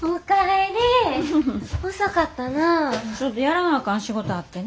ちょっとやらなあかん仕事あってな。